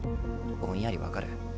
ぼんやり分かる。